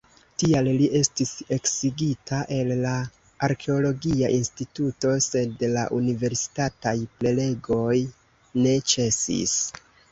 Tial li estis eksigita el la arkeologia instituto, sed la universitataj prelegoj ne ĉesis.